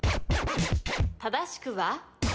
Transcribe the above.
正しくは？